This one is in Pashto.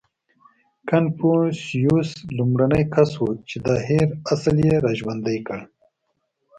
• کنفوسیوس لومړنی کس و، چې دا هېر اصل یې راژوندی کړ.